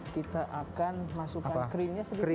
kita akan masukkan krimnya sendiri